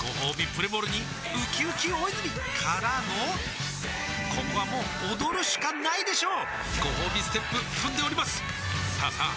プレモルにうきうき大泉からのここはもう踊るしかないでしょうごほうびステップ踏んでおりますさあさあ